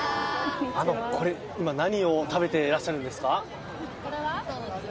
今、何を食べていらっしゃるんですか？